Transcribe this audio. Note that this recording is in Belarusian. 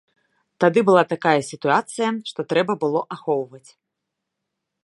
Тады была такая сітуацыя, што трэба было ахоўваць.